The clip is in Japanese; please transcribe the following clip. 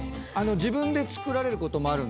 自分で作られることもある？